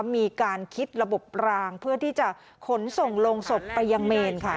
มีการคิดระบบรางเพื่อที่จะขนส่งลงศพไปยังเมนค่ะ